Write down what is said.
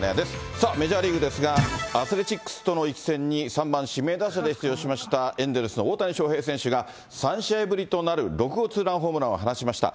さあ、メジャーリーグですが、アスレチックスとの一戦に３番指名打者で出場しましたエンゼルスの大谷翔平選手が３試合ぶりとなる６号ツーランホームランを放ちました。